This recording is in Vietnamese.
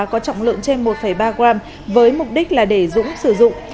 có trọng lượng trên một ba gram với mục đích là để dũng sử dụng